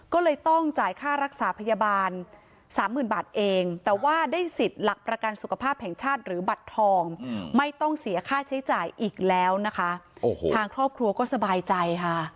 ก็เลยต้องจ่ายค่ารักษาพยาบาลสามหมื่นบาทเองแต่ว่าได้สิทธิ์หลักประกันสุขภาพแห่งชาติหรือบัตรทองไม่ต้องเสียค่าใช้จ่ายอีกแล้วนะคะโอ้โหทางครอบครัวก็สบายใจค่ะ